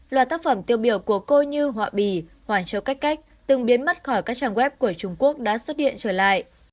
loạt tác phẩm tiêu biểu của cô như họa bì hoàng châu cách cách từng biến mất khỏi các trang web của trung quốc đã xuất hiện trở lại